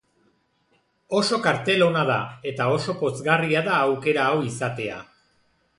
Oso kartel ona da, eta oso pozgarria da aukera hau izatea.